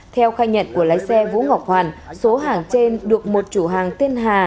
theo khai nhận của lái xe vũ ngọc hoàn số hàng trên được một chủ hàng tên hà